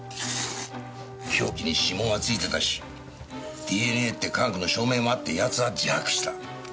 凶器に指紋は付いてたしＤＮＡって科学の証明もあって奴は自白した。